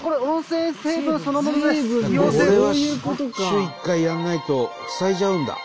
週１回やらないと塞いじゃうんだ。